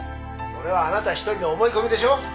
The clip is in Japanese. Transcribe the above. それはあなた一人の思い込みでしょう？